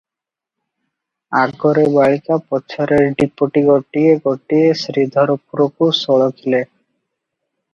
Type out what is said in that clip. ଆଗରେ ବାଳିକା, ପଛରେ ଡିପୋଟି ଗୋଟିଏ ଗୋଟିଏ ଶ୍ରୀଧରପୁରକୁ ସଳଖିଲେ ।